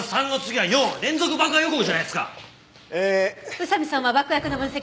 宇佐見さんは爆薬の分析